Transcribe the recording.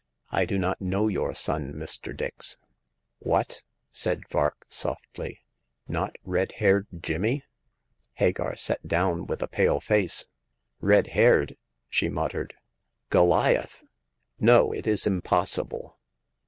I do not know your son, Mr. Dix." *^ What !" said Vark, softly ;" not red haired Jimmy !'* Hagar sat down with a pale face. " Red haired !" she muttered. Goliath ! No, it is impossible